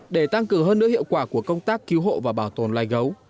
để tăng cử hơn nữa hiệu quả của công tác cứu hộ và bảo tồn lấy gấu